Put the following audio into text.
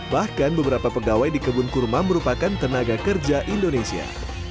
bahkan beberapa pegawai di kebun kurma merupakan tenaga kerja indonesia